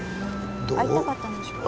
会いたかったんでしょうかね。